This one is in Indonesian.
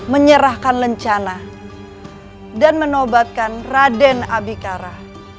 menyerahkan lencana dan menobatkan raden abikara